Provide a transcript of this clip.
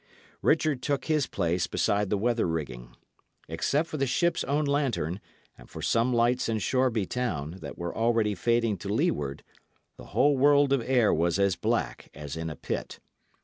Richard took his place beside the weather rigging. Except for the ship's own lantern, and for some lights in Shoreby town, that were already fading to leeward, the whole world of air was as black as in a pit.